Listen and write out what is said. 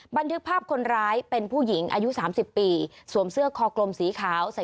บันทึกภาพคนร้ายเป็นผู้หญิงอายุ๓๐ปีสวมเสื้อคอกลมสีขาว